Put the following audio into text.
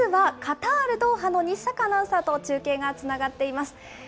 まずはカタール・ドーハの西阪アナウンサーと中継がつながっています。